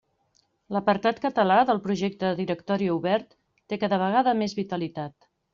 L'apartat català del Projecte de Directori Obert té cada vegada més vitalitat.